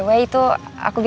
baik pak bos